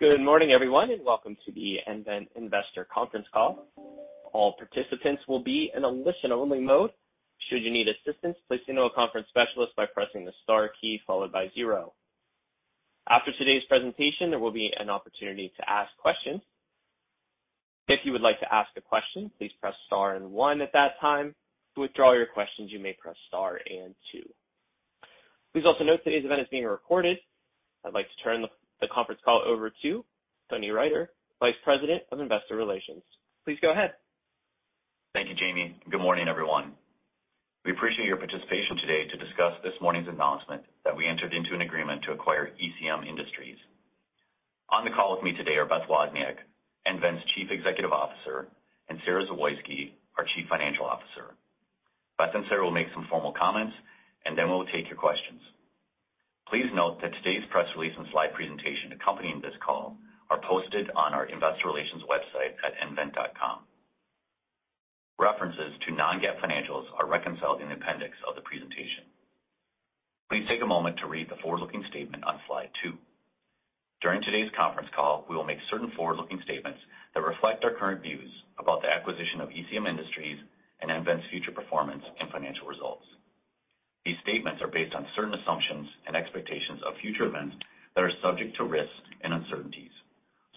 Good morning, everyone, and welcome to the nVent Investor Conference Call. All participants will be in a listen-only mode. Should you need assistance, please signal a conference specialist by pressing the star key followed by zero. After today's presentation, there will be an opportunity to ask questions. If you would like to ask a question, please press star and one at that time. To withdraw your questions, you may press star and two. Please also note today's event is being recorded. I'd like to turn the conference call over to Tony Riter, Vice President of Investor Relations. Please go ahead. Thank you, Jamie. Good morning, everyone. We appreciate your participation today to discuss this morning's announcement that we entered into an agreement to acquire ECM Industries. On the call with me today are Beth Wozniak, nVent's Chief Executive Officer, and Sara Zawoyski, our Chief Financial Officer. Beth and Sara will make some formal comments, and then we'll take your questions. Please note that today's press release and slide presentation accompanying this call are posted on our investor relations website at nvent.com. References to non-GAAP financials are reconciled in the appendix of the presentation. Please take a moment to read the forward-looking statement on slide two. During today's conference call, we will make certain forward-looking statements that reflect our current views about the acquisition of ECM Industries and nVent's future performance and financial results. These statements are based on certain assumptions and expectations of future events that are subject to risks and uncertainties,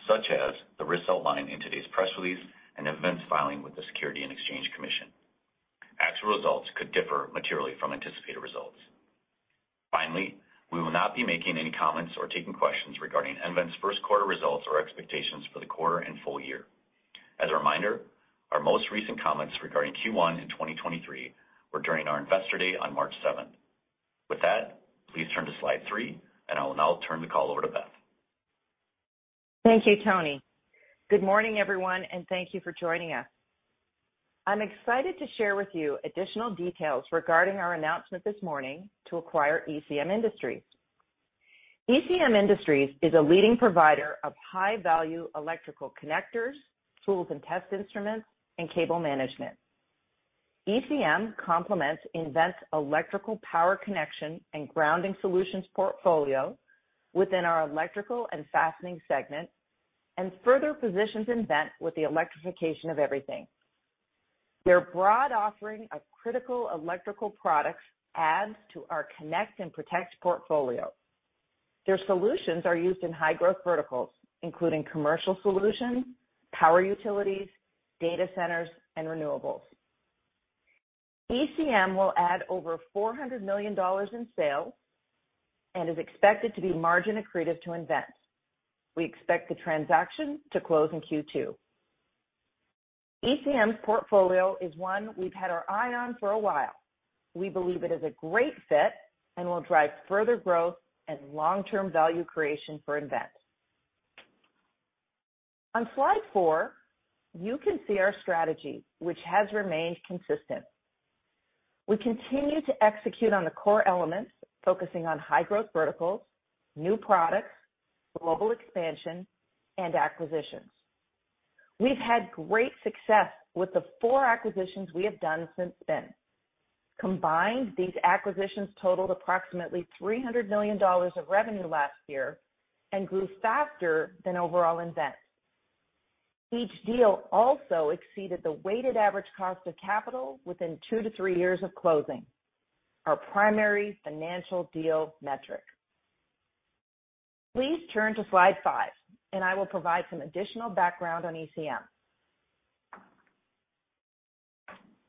such as the risks outlined in today's press release and nVent's filing with the Securities and Exchange Commission. Actual results could differ materially from anticipated results. Finally, we will not be making any comments or taking questions regarding nVent's 1st quarter results or expectations for the quarter and full year. As a reminder, our most recent comments regarding Q1 in 2023 were during our Investor Date on March 7th. With that, please turn to slide 3, and I will now turn the call over to Beth. Thank you, Tony. Good morning, everyone, thank you for joining us. I'm excited to share with you additional details regarding our announcement this morning to acquire ECM Industries. ECM Industries is a leading provider of high-value electrical connectors, tools and test instruments, and cable management. ECM complements nVent's electrical power connection and grounding solutions portfolio within our Electrical & Fastening Solutions further positions nVent with the electrification of everything. Their broad offering of critical electrical products adds to our connect and protect portfolio. Their solutions are used in high-growth verticals, including commercial solutions, power utilities, data centers, and renewables. ECM will add over $400 million in sales is expected to be margin accretive to nVent. We expect the transaction to close in Q2. ECM's portfolio is one we've had our eye on for a while. We believe it is a great fit and will drive further growth and long-term value creation for nVent. On slide four, you can see our strategy, which has remained consistent. We continue to execute on the core elements, focusing on high-growth verticals, new products, global expansion, and acquisitions. We've had great success with the four acquisitions we have done since then. Combined, these acquisitions totaled approximately $300 million of revenue last year and grew faster than overall nVent. Each deal also exceeded the weighted average cost of capital within two to three years of closing, our primary financial deal metric. Please turn to slide five, I will provide some additional background on ECM.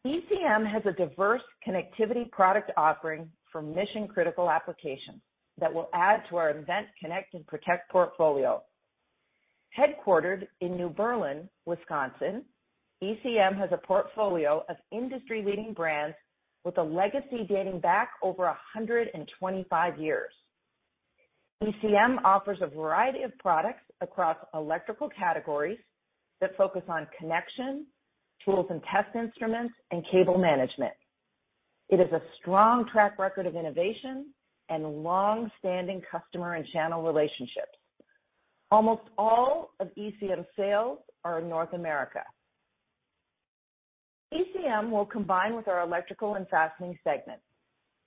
ECM has a diverse connectivity product offering for mission-critical applications that will add to our nVent connect and protect portfolio. Headquartered in New Berlin, Wisconsin, ECM has a portfolio of industry-leading brands with a legacy dating back over 125 years. ECM offers a variety of products across electrical categories that focus on connection, tools and test instruments, and cable management. It has a strong track record of innovation and long-standing customer and channel relationships. Almost all of ECM sales are in North America. ECM will combine with our Electrical & Fastening Solutions.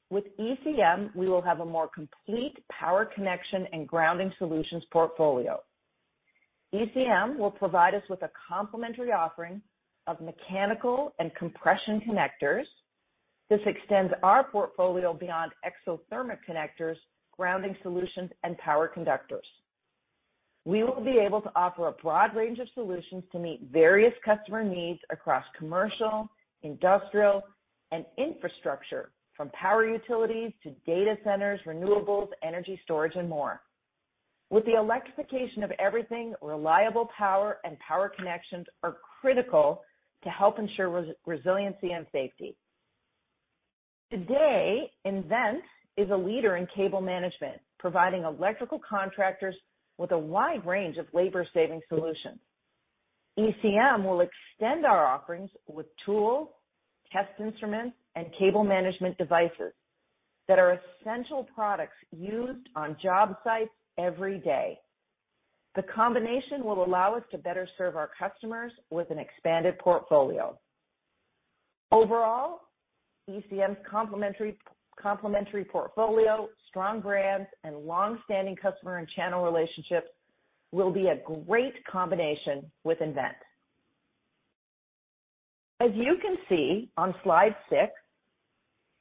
With ECM, we will have a more complete power connection and grounding solutions portfolio. ECM will provide us with a complementary offering of mechanical and compression connectors. This extends our portfolio beyond exothermic connectors, grounding solutions, and power conductors. We will be able to offer a broad range of solutions to meet various customer needs across commercial, industrial, and infrastructure, from power utilities to data centers, renewables, energy storage, and more. With the electrification of everything, reliable power and power connections are critical to help ensure resiliency and safety. Today, nVent is a leader in cable management, providing electrical contractors with a wide range of labor-saving solutions. ECM will extend our offerings with tools, test instruments, and cable management devices that are essential products used on job sites every day. The combination will allow us to better serve our customers with an expanded portfolio. ECM's complementary portfolio, strong brands, and long-standing customer and channel relationships will be a great combination with nVent. As you can see on slide six,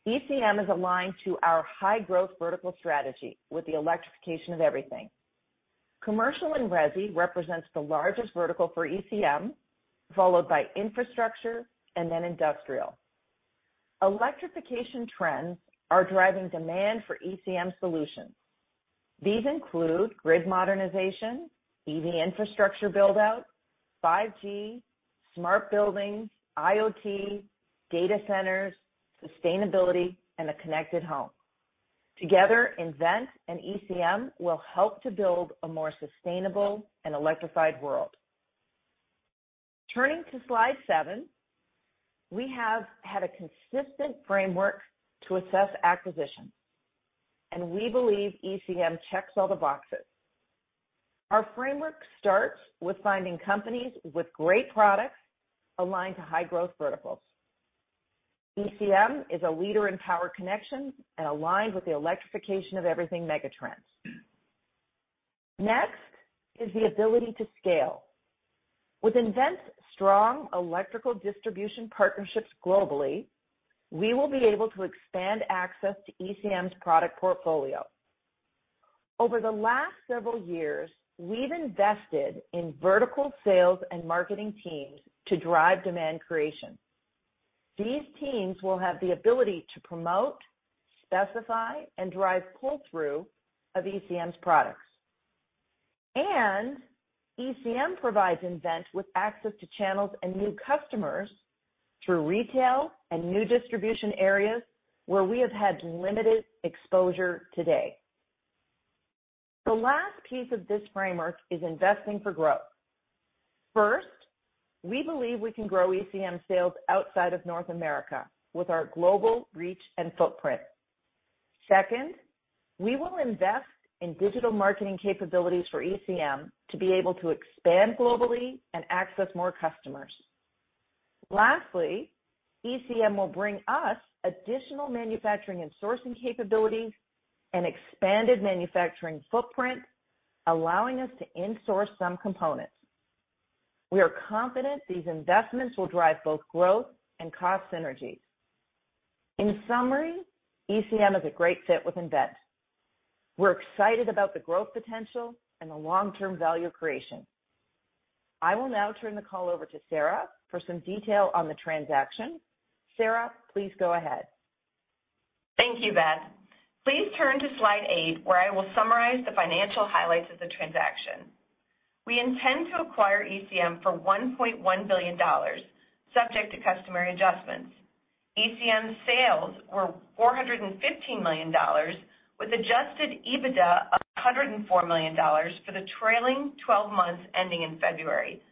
ECM is aligned to our high-growth vertical strategy with the electrification of everything. Commercial and resi represents the largest vertical for ECM, followed by infrastructure and then industrial. Electrification trends are driving demand for ECM solutions. These include grid modernization, EV infrastructure build-out, 5G, smart buildings, IoT, data centers, sustainability, and a connected home. Together, nVent and ECM will help to build a more sustainable and electrified world. Turning to slide seven, we have had a consistent framework to assess acquisitions, and we believe ECM checks all the boxes. Our framework starts with finding companies with great products aligned to high-growth verticals. ECM is a leader in power connections and aligned with the electrification of everything megatrends. Next is the ability to scale. With nVent's strong electrical distribution partnerships globally, we will be able to expand access to ECM's product portfolio. Over the last several years, we've invested in vertical sales and marketing teams to drive demand creation. These teams will have the ability to promote, specify, and drive pull-through of ECM's products. ECM provides nVent with access to channels and new customers through retail and new distribution areas where we have had limited exposure today. The last piece of this framework is investing for growth. First, we believe we can grow ECM sales outside of North America with our global reach and footprint. Second, we will invest in digital marketing capabilities for ECM to be able to expand globally and access more customers. Lastly, ECM will bring us additional manufacturing and sourcing capabilities and expanded manufacturing footprint, allowing us to in-source some components. We are confident these investments will drive both growth and cost synergies. In summary, ECM is a great fit with nVent. We're excited about the growth potential and the long-term value creation. I will now turn the call over to Sara for some detail on the transaction. Sara, please go ahead. Thank you, Beth. Please turn to slide eight, where I will summarize the financial highlights of the transaction. We intend to acquire ECM for $1.1 billion, subject to customary adjustments. ECM's sales were $415 million, with adjusted EBITDA of $104 million for the trailing twelve months ending in February.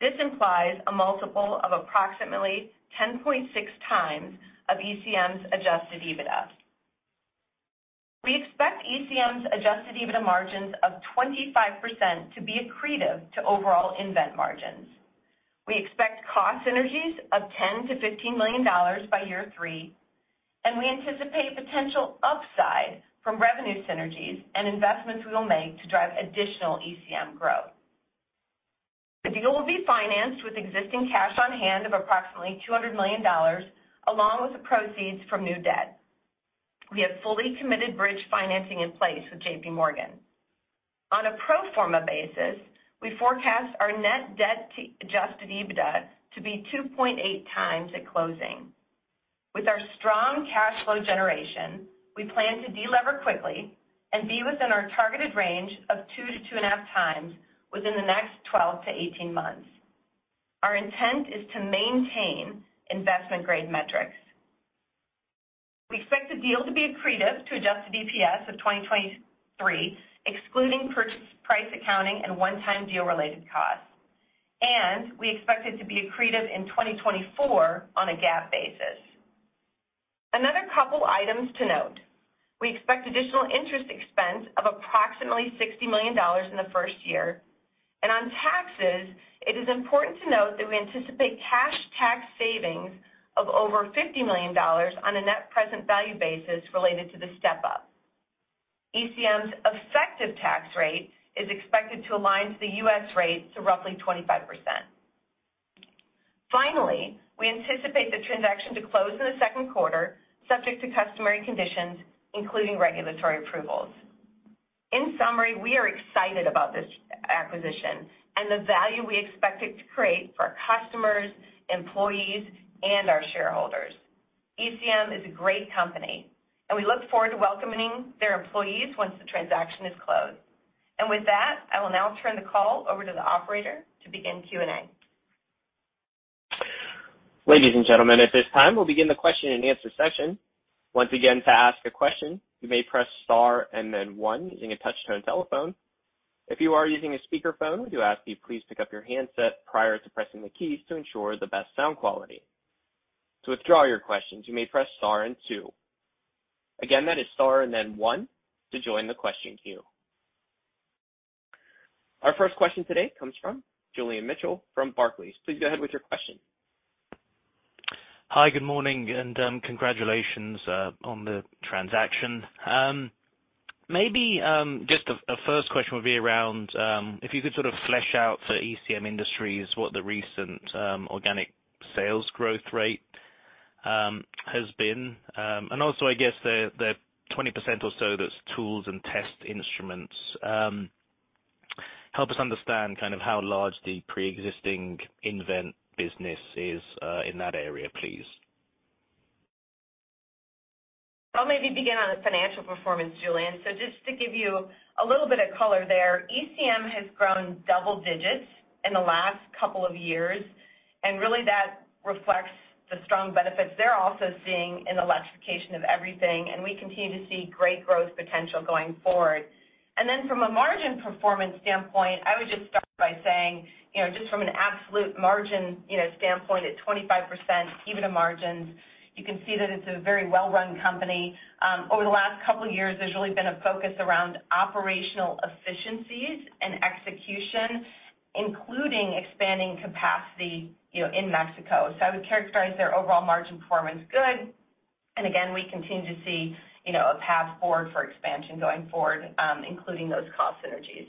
This implies a multiple of approximately 10.6x of ECM's adjusted EBITDA. We expect ECM's adjusted EBITDA margins of 25% to be accretive to overall nVent margins. We expect cost synergies of $10 million-$15 million by year three, and we anticipate potential upside from revenue synergies and investments we will make to drive additional ECM growth. The deal will be financed with existing cash on hand of approximately $200 million, along with the proceeds from new debt. We have fully committed bridge financing in place with JPMorgan. On a pro forma basis, we forecast our net debt to adjusted EBITDA to be 2.8 times at closing. With our strong cash flow generation, we plan to de-lever quickly and be within our targeted range of 2-2.5 times within the next 12months-18 months. Our intent is to maintain investment-grade metrics. We expect the deal to be accretive to adjusted EPS of 2023, excluding purchase price accounting and one-time deal-related costs, and we expect it to be accretive in 2024 on a GAAP basis. Another couple items to note. We expect additional interest expense of approximately $60 million in the first year. On taxes, it is important to note that we anticipate cash tax savings of over $50 million on a net present value basis related to the step-up. ECM's effective tax rate is expected to align to the U.S. rate to roughly 25%. Finally, we anticipate the transaction to close in the second quarter, subject to customary conditions, including regulatory approvals. In summary, we are excited about this acquisition and the value we expect it to create for our customers, employees, and our shareholders. ECM is a great company, and we look forward to welcoming their employees once the transaction is closed. With that, I will now turn the call over to the operator to begin Q&A. Ladies and gentlemen, at this time, we'll begin the question-and-answer session. Once again, to ask a question, you may press star and then one using a touch-tone telephone. If you are using a speakerphone, we do ask that you please pick up your handset prior to pressing the keys to ensure the best sound quality. To withdraw your questions, you may press star and two. Again, that is star and then one to join the question queue. Our first question today comes from Julian Mitchell from Barclays. Please go ahead with your question. Hi, good morning, and congratulations on the transaction. Maybe just a first question would be around if you could sort of flesh out for ECM Industries what the recent organic sales growth rate has been, and also, I guess the 20% or so that's tools and test instruments. Help us understand kind of how large the pre-existing nVent business is in that area, please. I'll maybe begin on the financial performance, Julian. Just to give you a little bit of color there, ECM has grown double digits in the last couple of years, and really that reflects the strong benefits they're also seeing in the electrification of everything, and we continue to see great growth potential going forward. From a margin performance standpoint, I would just start by saying, you know, just from an absolute margin, you know, standpoint at 25%, EBITDA margins, you can see that it's a very well-run company. Over the last couple of years, there's really been a focus around operational efficiencies and execution, including expanding capacity, you know, in Mexico. I would characterize their overall margin performance good. We continue to see, you know, a path forward for expansion going forward, including those cost synergies.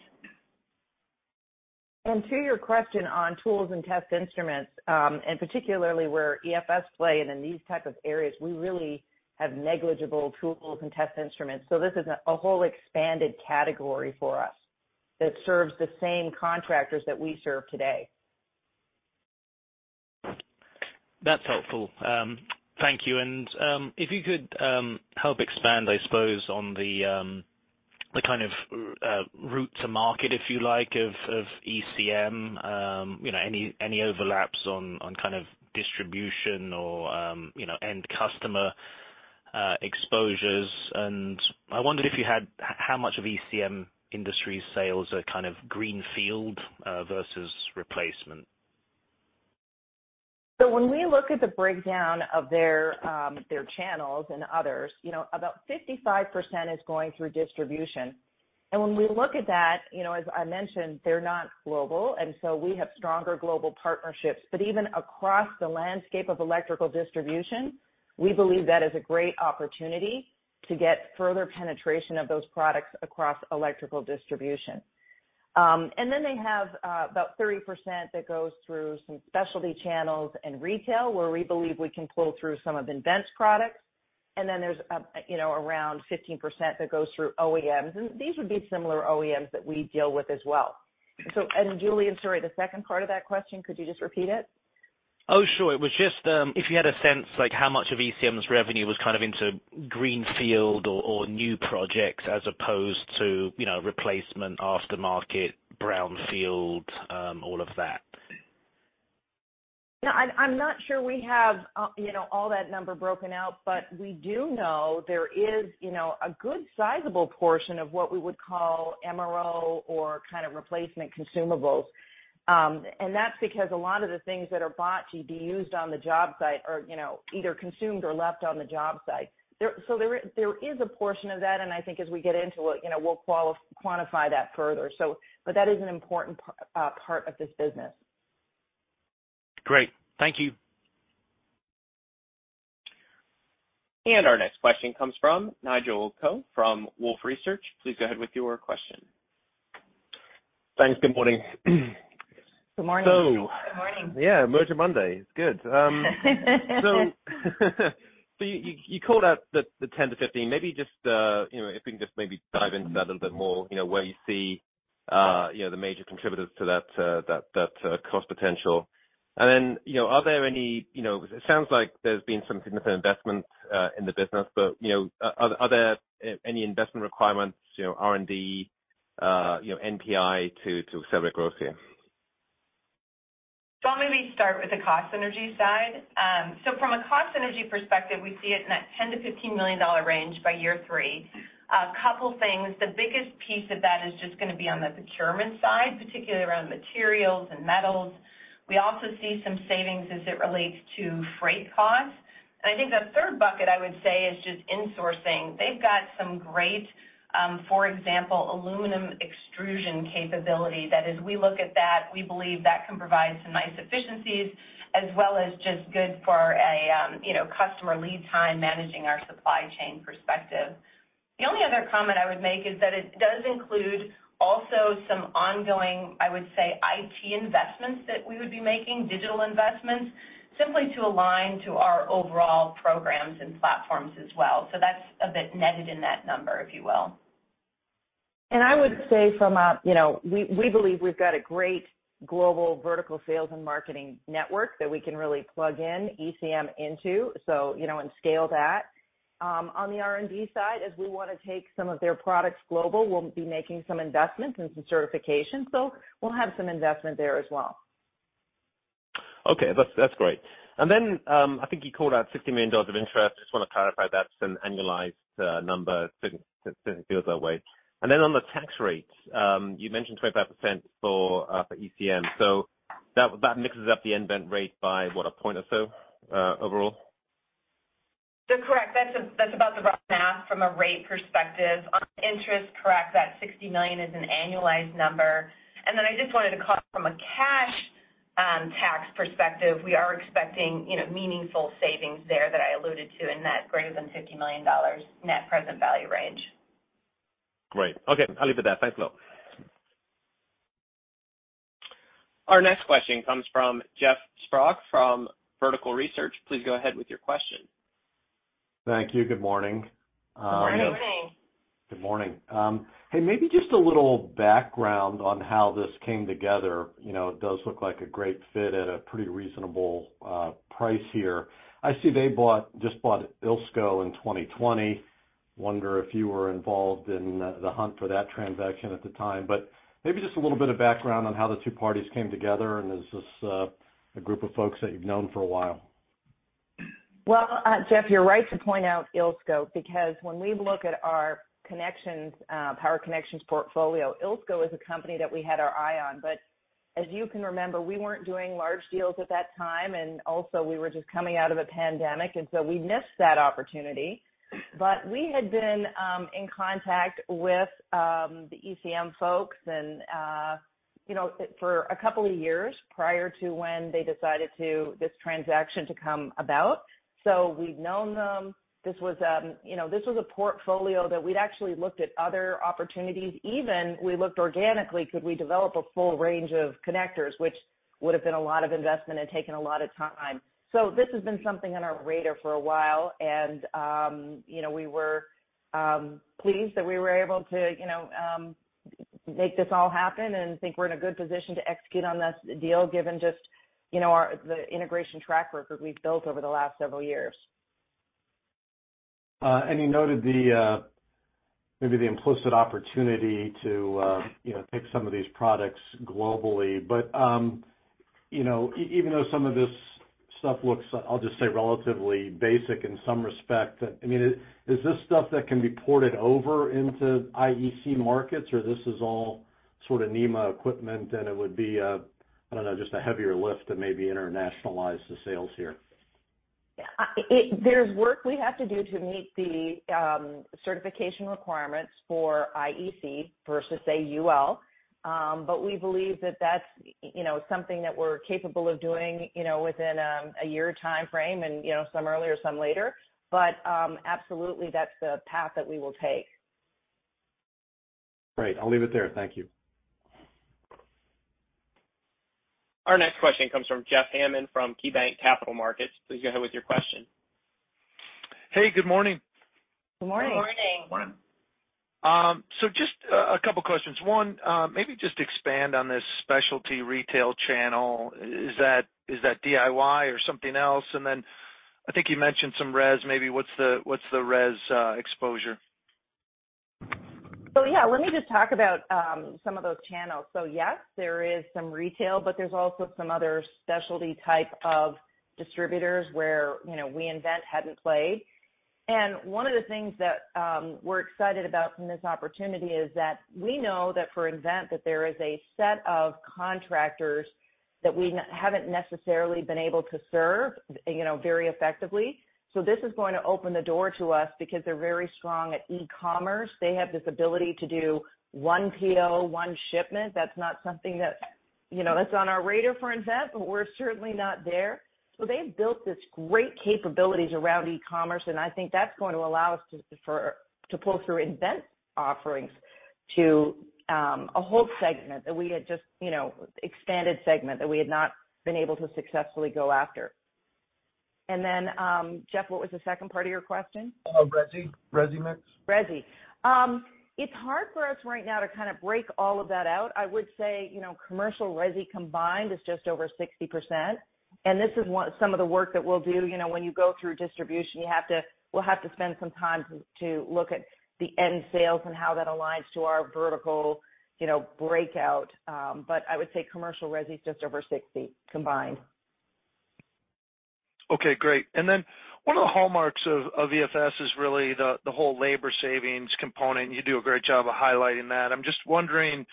To your question on tools and test instruments, and particularly where EFS play and in these type of areas, we really have negligible tools and test instruments. This is a whole expanded category for us that serves the same contractors that we serve today. That's helpful. Thank you. If you could help expand, I suppose, on the kind of route to market, if you like, of ECM, you know, any overlaps on kind of distribution or, you know, end customer exposures. I wondered if you had how much of ECM Industries sales are kind of greenfield versus replacement. When we look at the breakdown of their channels and others, you know, about 55% is going through distribution. When we look at that, you know, as I mentioned, they're not global, we have stronger global partnerships. Even across the landscape of electrical distribution, we believe that is a great opportunity to get further penetration of those products across electrical distribution. They have, about 30% that goes through some specialty channels and retail, where we believe we can pull through some of nVent's products. There's, you know, around 15% that goes through OEMs, and these would be similar OEMs that we deal with as well. Julian, sorry, the second part of that question, could you just repeat it? Sure. It was just, if you had a sense like how much of ECM's revenue was kind of into greenfield or new projects as opposed to, you know, replacement, aftermarket, brownfield, all of that. No, I'm not sure we have, you know, all that number broken out, but we do know there is, you know, a good sizable portion of what we would call MRO or kind of replacement consumables. That's because a lot of the things that are bought to be used on the job site are, you know, either consumed or left on the job site. There is a portion of that, and I think as we get into it, you know, we'll quantify that further. But that is an important part of this business. Great. Thank you. Our next question comes from Nigel Coe from Wolfe Research. Please go ahead with your question. Thanks. Good morning. Good morning. So- Good morning. Merger Monday. It's good. You called out the 10 to 15. Maybe just, you know, if we can just maybe dive into that a little bit more, you know, where you see, you know, the major contributors to that, that, cost potential? You know, are there any, you know, it sounds like there's been some significant investment, in the business but, you know, are there any investment requirements, you know, R&D, you know, NPI to accelerate growth here? I'll maybe start with the cost synergy side. From a cost synergy perspective, we see it in that $10 million-$15 million range by year three. A couple things. The biggest piece of that is just gonna be on the procurement side, particularly around materials and metals. We also see some savings as it relates to freight costs. I think the third bucket I would say is just insourcing. They've got some great, for example, aluminum extrusion capability that as we look at that, we believe that can provide some nice efficiencies as well as just good for a, you know, customer lead time managing our supply chain perspective. The only other comment I would make is that it does include also some ongoing, I would say, IT investments that we would be making, digital investments, simply to align to our overall programs and platforms as well. That's a bit netted in that number, if you will. I would say from a, you know, we believe we've got a great global vertical sales and marketing network that we can really plug in ECM into, so, you know, and scale that. On the R&D side, as we wanna take some of their products global, we'll be making some investments and some certifications. We'll have some investment there as well. Okay. That's great. Then, I think you called out $60 million of interest. I just wanna clarify that's an annualized number, so it feels that way. Then on the tax rates, you mentioned 25% for ECM. That mixes up the nVent rate by what, a point or so, overall? That's correct. That's about the rough math from a rate perspective. On interest, correct, that $60 million is an annualized number. I just wanted to call out from a cash tax perspective, we are expecting, you know, meaningful savings there that I alluded to in that greater than $50 million net present value range. Great. Okay, I'll leave it there. Thanks a lot. Our next question comes from Jeff Sprague from Vertical Research. Please go ahead with your question. Thank you. Good morning. Good morning. Good morning. Hey, maybe just a little background on how this came together. You know, it does look like a great fit at a pretty reasonable price here. I see they just bought ILSCO in 2020. Wonder if you were involved in the hunt for that transaction at the time. Maybe just a little bit of background on how the two parties came together, and is this a group of folks that you've known for a while? Well, Jeff, you're right to point out ILSCO, because when we look at our connections, power connections portfolio, ILSCO is a company that we had our eye on. As you can remember, we weren't doing large deals at that time, also we were just coming out of a pandemic, so we missed that opportunity. We had been in contact with the ECM folks and, you know, for a couple of years prior to when they decided this transaction to come about. We've known them. This was, you know, this was a portfolio that we'd actually looked at other opportunities. Even we looked organically, could we develop a full range of connectors, which would have been a lot of investment and taken a lot of time. This has been something on our radar for a while, and, you know, we were pleased that we were able to, you know, make this all happen and think we're in a good position to execute on this deal, given just, you know, the integration track record we've built over the last several years. You noted the, maybe the implicit opportunity to, you know, take some of these products globally. You know, even though some of this stuff looks, I'll just say, relatively basic in some respect, I mean, is this stuff that can be ported over into IEC markets, or this is all sort of NEMA equipment and it would be a, I don't know, just a heavier lift to maybe internationalize the sales here? There's work we have to do to meet the certification requirements for IEC versus, say, UL. We believe that that's, you know, something that we're capable of doing, you know, within a year timeframe and, you know, some earlier, some later. Absolutely, that's the path that we will take. Great. I'll leave it there. Thank you. Our next question comes from Jeff Hammond from KeyBanc Capital Markets. Please go ahead with your question. Hey, good morning. Good morning. Just a couple of questions. One, maybe just expand on this specialty retail channel. Is that DIY or something else? I think you mentioned some res maybe. What's the res exposure? Yeah, let me just talk about some of those channels. Yes, there is some retail, but there's also some other specialty type of distributors where, you know, we and nVent hadn't played. One of the things that we're excited about from this opportunity is that we know that for nVent, that there is a set of contractors that we haven't necessarily been able to serve, you know, very effectively. This is going to open the door to us because they're very strong at e-commerce. They have this ability to do one PO, one shipment. That's not something that, you know, that's on our radar for nVent, but we're certainly not there. They've built this great capabilities around e-commerce, and I think that's going to allow us to pull through nVent's offerings to, a whole segment that we had just, you know, expanded segment that we had not been able to successfully go after. Jeff, what was the second part of your question? resi mix. Resi. It's hard for us right now to kind of break all of that out. I would say, you know, commercial resi combined is just over 60%. This is some of the work that we'll do. You know, when you go through distribution, we'll have to spend some time to look at the end sales and how that aligns to our vertical, you know, breakout. I would say commercial resi is just over 60, combined. Okay, great. One of the hallmarks of EFS is really the whole labor savings component. You do a great job of highlighting that. I'm just wondering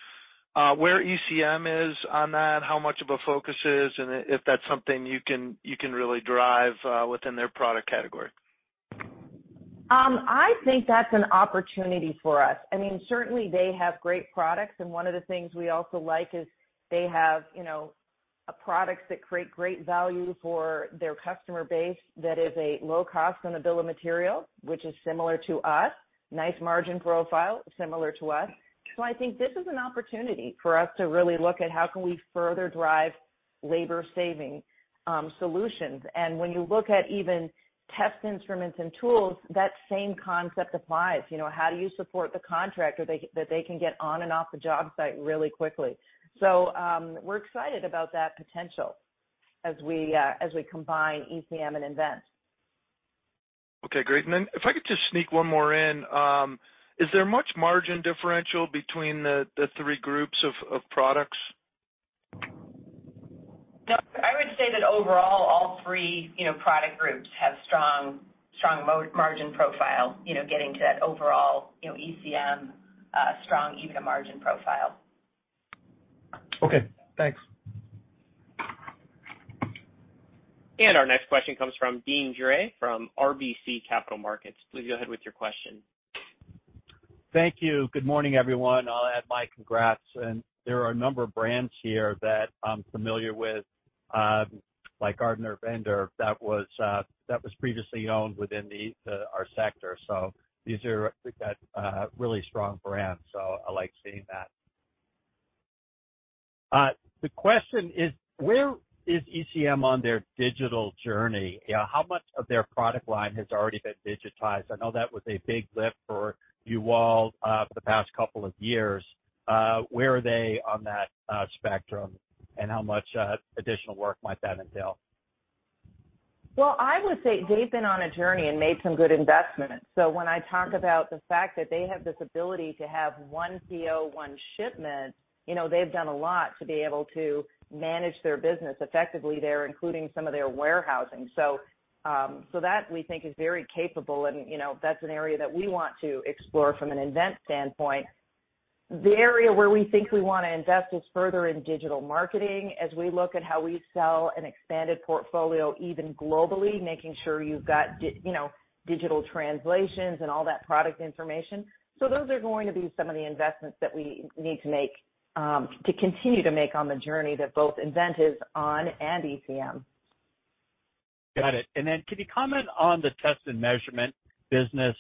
where ECM is on that, how much of a focus is, and if that's something you can really drive within their product category? I think that's an opportunity for us. I mean, certainly they have great products. One of the things we also like is they have, you know, products that create great value for their customer base that is a low cost on the bill of material, which is similar to us. Nice margin profile, similar to us. I think this is an opportunity for us to really look at how can we further drive labor saving solutions. When you look at even test instruments and tools, that same concept applies. You know, how do you support the contractor that they can get on and off the job site really quickly. We're excited about that potential as we combine ECM and nVent. Okay, great. If I could just sneak one more in, is there much margin differential between the three groups of products? No, I would say that overall, all three, you know, product groups have strong margin profile, you know, getting to that overall, you know, ECM strong EBITDA margin profile. Okay, thanks. Our next question comes from Deane Dray from RBC Capital Markets. Please go ahead with your question. Thank you. Good morning, everyone. I'll add my congrats. There are a number of brands here that I'm familiar with, like Gardner Bender that was previously owned within our sector. These are, I think, really strong brands, so I like seeing that. The question is, where is ECM on their digital journey? How much of their product line has already been digitized? I know that was a big lift for you all for the past couple of years. Where are they on that spectrum, and how much additional work might that entail? I would say they've been on a journey and made some good investments. When I talk about the fact that they have this ability to have 1 PO, 1 shipment, you know, they've done a lot to be able to manage their business effectively there, including some of their warehousing. That we think is very capable and, you know, that's an area that we want to explore from an nVent standpoint. The area where we think we wanna invest is further in digital marketing as we look at how we sell an expanded portfolio even globally, making sure you've got you know, digital translations and all that product information. Those are going to be some of the investments that we need to make to continue to make on the journey that both nVent is on and ECM. Got it. Then could you comment on the test and measurement business?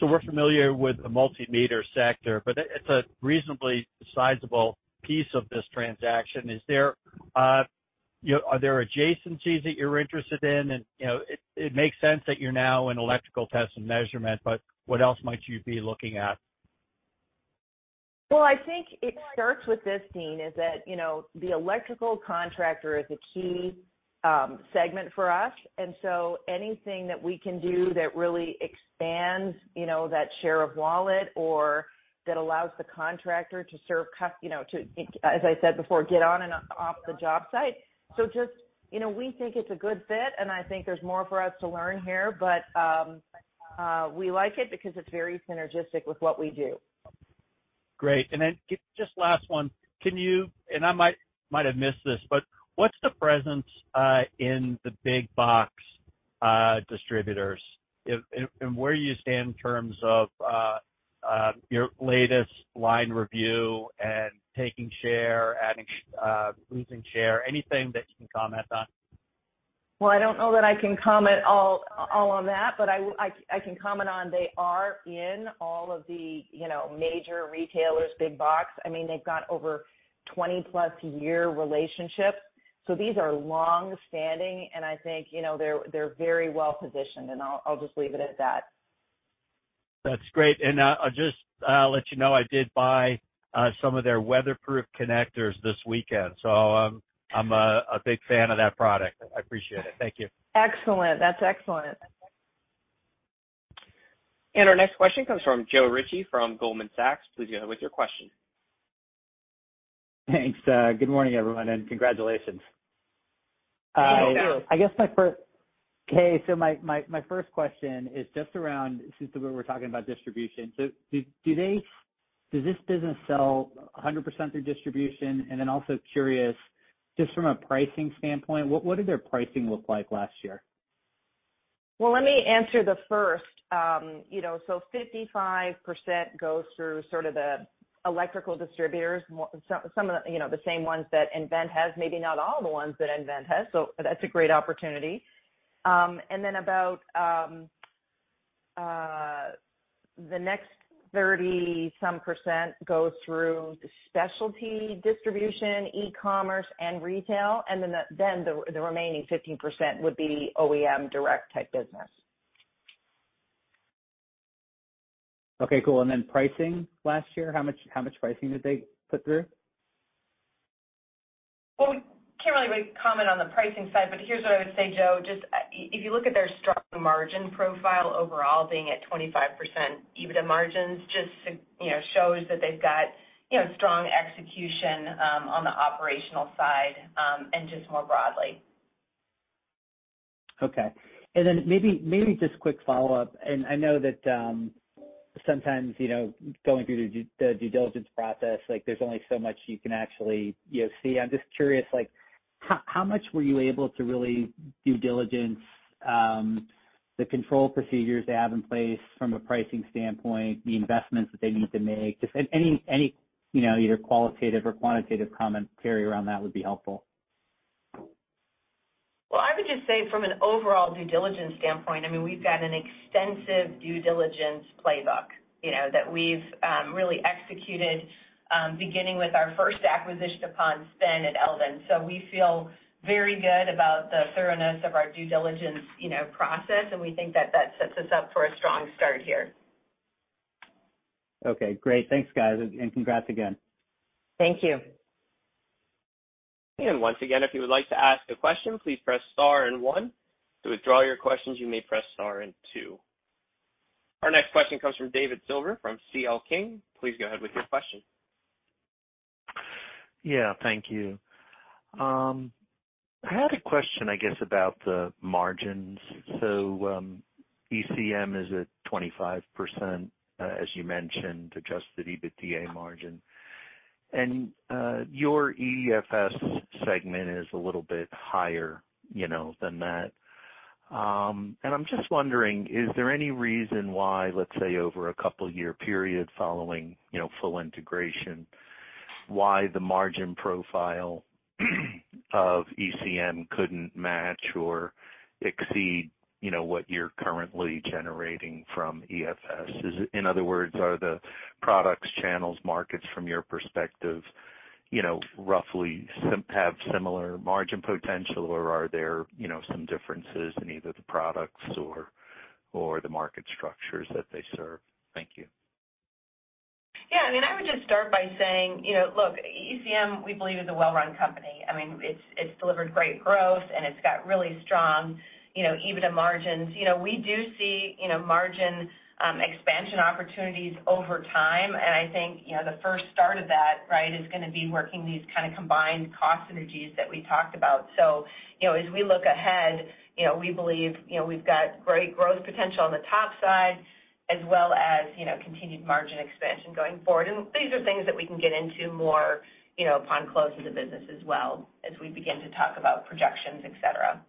We're familiar with the multimeter sector, but it's a reasonably sizable piece of this transaction. Is there, you know, are there adjacencies that you're interested in? You know, it makes sense that you're now in electrical test and measurement, but what else might you be looking at? Well, I think it starts with this, Deane, is that, you know, the electrical contractor is a key segment for us. Anything that we can do that really expands, you know, that share of wallet or that allows the contractor to serve, you know, to, as I said before, get on and off the job site. Just, you know, we think it's a good fit, and I think there's more for us to learn here. We like it because it's very synergistic with what we do. Great. Then just last one. Can you, and I might have missed this, but what's the presence in the big box distributors? If, and where do you stand in terms of your latest line review and taking share, adding, losing share? Anything that you can comment on? I don't know that I can comment all on that, but I can comment on they are in all of the, you know, major retailers, big box. I mean, they've got over 20+ year relationships. These are longstanding, and I think, you know, they're very well positioned, and I'll just leave it at that. That's great. I'll just let you know I did buy some of their weatherproof connectors this weekend. I'm a big fan of that product. I appreciate it. Thank you. Excellent. That's excellent. Our next question comes from Joe Ritchie from Goldman Sachs. Please go ahead with your question. Thanks. Good morning, everyone, and congratulations. Good morning, Joe. I guess my first question is just around, since we were talking about distribution. Does this business sell 100% through distribution? Also curious, just from a pricing standpoint, what did their pricing look like last year? Let me answer the first. You know, 55% goes through sort of the electrical distributors, some of the, you know, the same ones that nVent has, maybe not all the ones that nVent has, so that's a great opportunity. About the next 30-some% goes through the specialty distribution, e-commerce, and retail. Then the remaining 15% would be OEM direct type business. Okay, cool. Then pricing last year, how much pricing did they put through? Well, can't really comment on the pricing side, but here's what I would say, Joe. Just if you look at their strong margin profile overall, being at 25% EBITDA margins, you know, shows that they've got, you know, strong execution on the operational side, and just more broadly. Okay. Then maybe just quick follow-up, and I know that, sometimes, you know, going through the due diligence process, like there's only so much you can actually, you know, see. I'm just curious, like how much were you able to really due diligence, the control procedures they have in place from a pricing standpoint, the investments that they need to make? Just any, you know, either qualitative or quantitative comment, Carrie, around that would be helpful. Well, I would just say from an overall due diligence standpoint, I mean, we've got an extensive due diligence playbook, you know, that we've really executed beginning with our first acquisition upon spin at Eldon. We feel very good about the thoroughness of our due diligence, you know, process, and we think that that sets us up for a strong start here. Okay, great. Thanks, guys. Congrats again. Thank you. Once again, if you would like to ask a question, please press star and one. To withdraw your questions, you may press star and two. Our next question comes from David Silver from C.L. King. Please go ahead with your question. Yeah, thank you. I had a question, I guess, about the margins. ECM is at 25%, as you mentioned, adjusted EBITDA margin. Your EFS segment is a little bit higher, you know, than that. I'm just wondering, is there any reason why, let's say, over a couple year period following, you know, full integration, why the margin profile of ECM couldn't match or exceed, you know, what you're currently generating from EFS? In other words, are the products, channels, markets from your perspective, you know, roughly have similar margin potential or are there, you know, some differences in either the products or the market structures that they serve? Thank you. I mean, I would just start by saying, you know, look, ECM, we believe is a well-run company. I mean, it's delivered great growth and it's got really strong, you know, EBITDA margins. You know, we do see, you know, margin expansion opportunities over time. I think, you know, the first start of that, right, is gonna be working these kind of combined cost synergies that we talked about. As we look ahead, you know, we believe, you know, we've got great growth potential on the top side as well as, you know, continued margin expansion going forward. These are things that we can get into more, you know, upon close of the business as well as we begin to talk about projections, et cetera.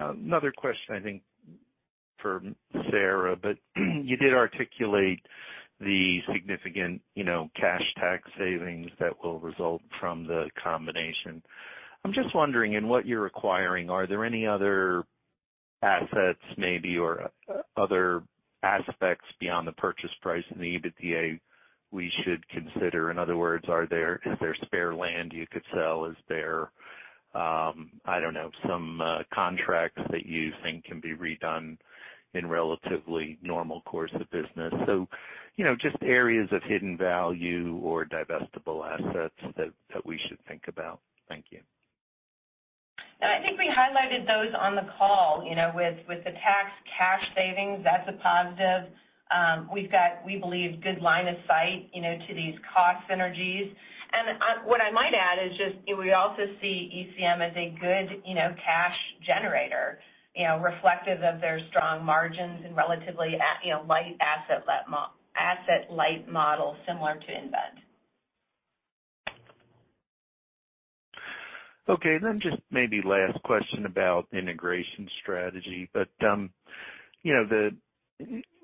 Another question, I think for Sara, but you did articulate the significant, you know, cash tax savings that will result from the combination. I'm just wondering, in what you're acquiring, are there any other assets maybe or other aspects beyond the purchase price and the EBITDA we should consider? In other words, is there spare land you could sell? Is there, I don't know, some contracts that you think can be redone in relatively normal course of business? You know, just areas of hidden value or divestible assets that we should think about. Thank you. No, I think we highlighted those on the call, you know, with the tax cash savings, that's a positive. We've got, we believe good line of sight, you know, to these cost synergies. What I might add is just, you know, we also see ECM as a good, you know, cash generator, you know, reflective of their strong margins and relatively a, you know, asset light model similar to nVent. Okay. Just maybe last question about integration strategy. You know, the...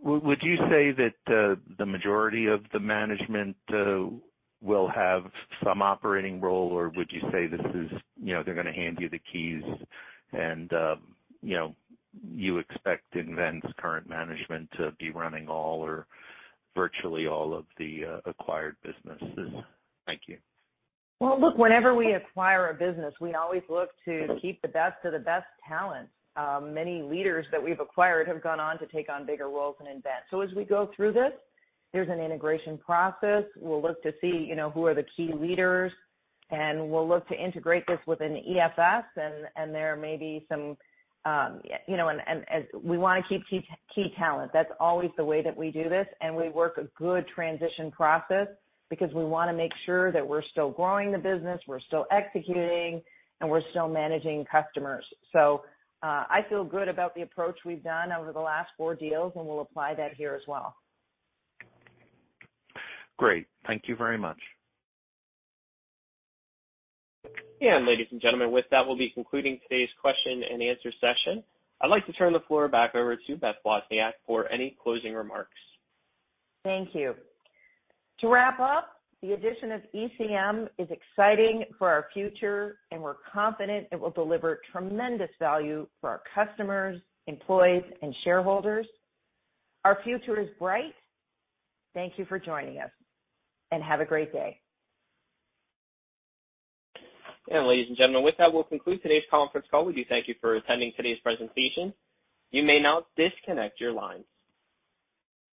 Would you say that the majority of the management will have some operating role, or would you say this is, you know, they're gonna hand you the keys and, you know, you expect nVent's current management to be running all or virtually all of the acquired businesses? Thank you. Well, look, whenever we acquire a business, we always look to keep the best of the best talent. Many leaders that we've acquired have gone on to take on bigger roles in nVent. As we go through this, there's an integration process. We'll look to see, you know, who are the key leaders, and we'll look to integrate this within EFS. And there may be some, you know, and as we wanna keep key talent. That's always the way that we do this, and we work a good transition process because we wanna make sure that we're still growing the business, we're still executing, and we're still managing customers. I feel good about the approach we've done over the last four deals, and we'll apply that here as well. Great. Thank you very much. Ladies and gentlemen, with that, we'll be concluding today's question and answer session. I'd like to turn the floor back over to Beth Wozniak for any closing remarks. Thank you. To wrap up, the addition of ECM is exciting for our future, and we're confident it will deliver tremendous value for our customers, employees, and shareholders. Our future is bright. Thank you for joining us, and have a great day. Ladies and gentlemen, with that, we'll conclude today's conference call. We do thank you for attending today's presentation. You may now disconnect your lines.